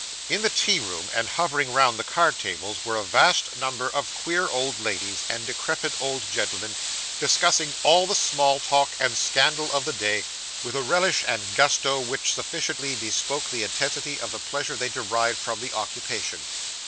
In the tea room, and hovering round the card tables, were a vast number of queer old ladies, and decrepit old gentlemen, discussing all the small talk and scandal of the day, with a relish and gusto which sufficiently bespoke the intensity of the pleasure they derived from the occupation.